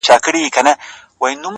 نو شاعري څه كوي”